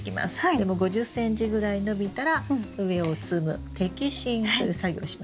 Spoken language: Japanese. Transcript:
でも５０ｃｍぐらい伸びたら上を摘む摘心という作業をします。